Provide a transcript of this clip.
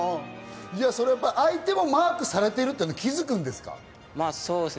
相手もマークされているのは気づくんですか？